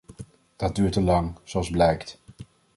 Dat duurt te lang, zoals blijkt.